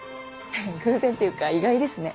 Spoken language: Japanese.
偶然っていうか意外ですね